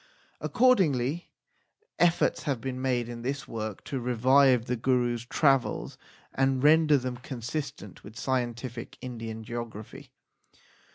Accordingly efforts have been made in this work to revise the Gurus travels and render them consistent with scientific Indian geography.